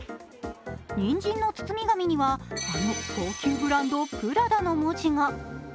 にんじんの包み紙には、あの高級ブランド、プラダの文字が。